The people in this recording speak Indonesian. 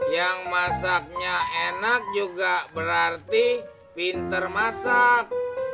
yang masaknya enak juga berarti pinter masak